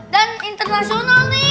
dan internasional nih